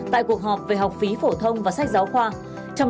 tại cuộc họp về học phí phổ thông và sách giáo khoa